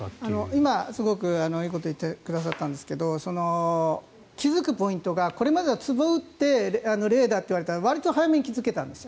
今、すごくいいことを言ってくださったんですが気付くポイントがこれまではつぼを売って霊だと言われたらわりと早めに気付けたんです。